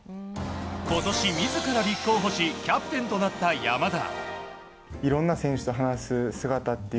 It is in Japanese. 今年、自ら立候補しキャプテンとなった山田。